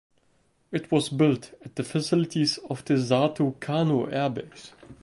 It was built at the facilities of the Soto Cano Air Base.